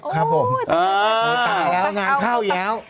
เอ้าอ้าอนานข้าวย้าว